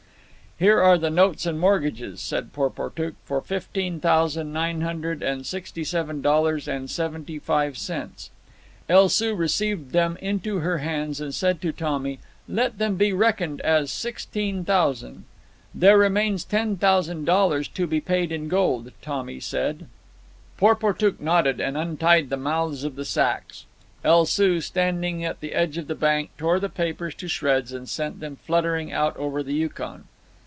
"Here are the notes and mortgages," said Porportuk, "for fifteen thousand nine hundred and sixty seven dollars and seventy five cents." El Soo received them into her hands and said to Tommy, "Let them be reckoned as sixteen thousand." "There remains ten thousand dollars to be paid in gold," Tommy said. Porportuk nodded, and untied the mouths of the sacks. El Soo, standing at the edge of the bank, tore the papers to shreds and sent them fluttering out over the Yukon.